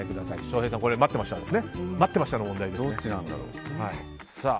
翔平さん待ってましたの問題ですね。